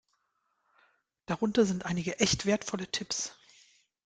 Darunter sind einige echt wertvolle Tipps.